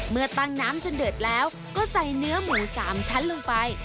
เมื่อตั้งน้ำจนเดือดแล้วก็ใส่เนื้อหมู๓ชั้นลงไป